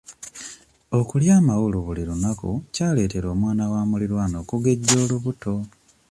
Okulya amawolu buli lunaku kyaleetera omwana wa mulirwana okugejja olubuto.